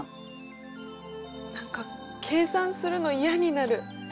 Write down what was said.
何か計算するの嫌になる。